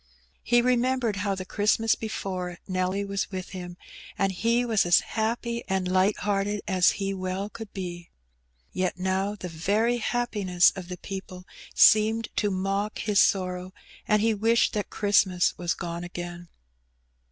He remembered how the Christmas before Nelly was with him^ and he was as happy and light hearted as he well could be. Yet now the very happiness of the people seemed to mock his sorrow^ and he wished that Christmas was gone again.